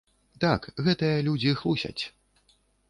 Так, гэтыя людзі хлусяць.